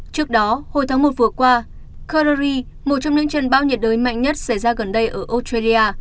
trước đó hồi tháng một vừa qua carory một trong những trận bão nhiệt đới mạnh nhất xảy ra gần đây ở australia